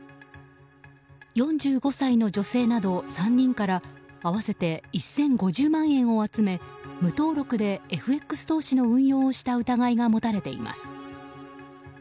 ４５歳の女性など３人から合わせて１０５０万円を集め無登録でＦＸ投資の運用をした疑いが持たれています。